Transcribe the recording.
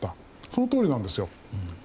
そのとおりなんですよ。